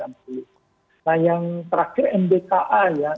nah yang terakhir mdka ya